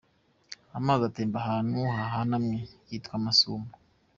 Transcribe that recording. Amazi atemba ahantu hahanamye yitwa amasumo.